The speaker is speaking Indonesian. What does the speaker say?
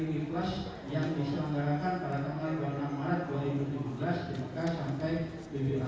paling yang saya bertanya mereka semua menu hari ini saya jalan duduk